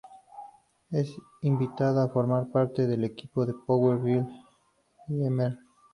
Es invitada a formar parte del equipo con Power Girl y Mr.